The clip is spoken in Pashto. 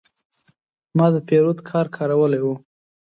ما د پیرود کارت کارولی و.